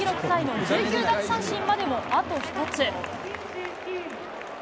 タイの１９奪三振までもあと２つ。